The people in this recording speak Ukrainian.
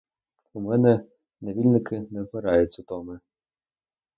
У мене невільники не вмирають з утоми.